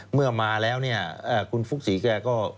เมื่อมาแล้วเนี่ยคุณฟุ๊กศรีแกก็